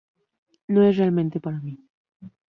No es realmente para mí".